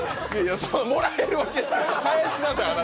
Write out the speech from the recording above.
もらえるわけない！